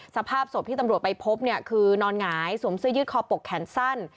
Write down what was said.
สภาพศพที่ตำรวจไปพบเนี่ยคือนอนหงายสวมเสื้อยืดคอปกแขนสั้น